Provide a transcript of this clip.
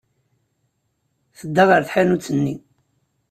Tedda ɣer tḥanut-nni.